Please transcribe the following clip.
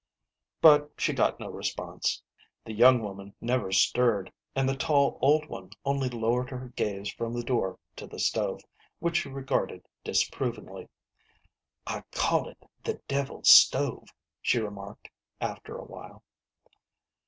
But she got no response. The young woman never stirred, and the tall old one only lowered her gaze from the door to the stove, which she regarded disapprovingly. " I call it the devil's stove," she remarked, after a while.